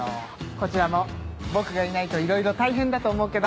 こちらも僕がいないといろいろ大変だと思うけど。